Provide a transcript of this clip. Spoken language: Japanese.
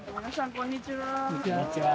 こんにちは。